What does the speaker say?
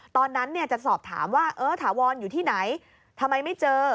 ตอนนั้นจะสอบถามว่าเออถาวรอยู่ที่ไหนทำไมไม่เจอ